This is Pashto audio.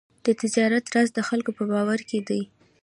د تجارت راز د خلکو په باور کې دی.